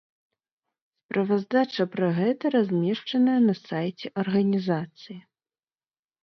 Справаздача пра гэта размешчаная на сайце арганізацыі.